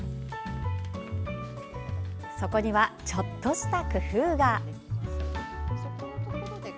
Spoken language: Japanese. そこには、ちょっとした工夫が。